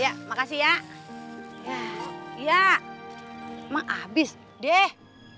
ya makasih ya ya emang abis deh